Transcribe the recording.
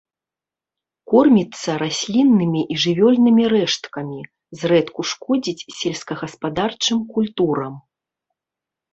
Корміцца расліннымі і жывёльнымі рэшткамі, зрэдку шкодзіць сельскагаспадарчым культурам.